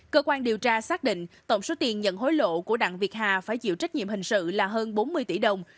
cơ quan điều tra xác định tổng số tiền nhận hối lộ của đặng việt hà phải chịu trách nhiệm hình sự là hơn bốn mươi tỷ đồng